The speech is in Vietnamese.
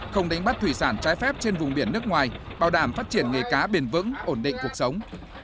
không đánh bắt thủy sản trái phép trên vùng biển nước ngoài bảo đảm phát triển nghề cá bền vững ổn định cuộc sống